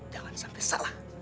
jangan sampai salah